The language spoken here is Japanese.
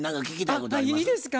あっいいですか？